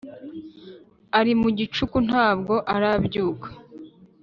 Ari mu gicuku nabwo arabyuka